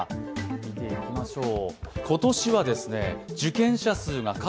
見ていきましょう。